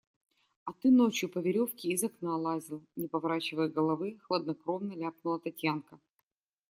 А ты ночью по веревке из окна лазил, – не поворачивая головы, хладнокровно ляпнула Татьянка.